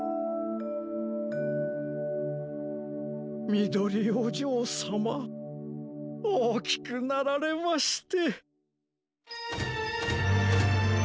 みどりおじょうさまおおきくなられまして。